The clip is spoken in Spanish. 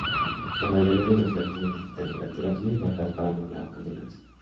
La mayoría de los gases necesitan temperaturas muy bajas para lograr condensarse.